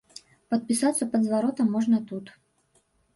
Падпісацца пад зваротам можна тут.